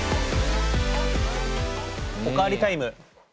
お代わりタイム。